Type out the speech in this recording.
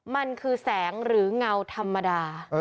มันคือแสงหรือเงาธรรมดา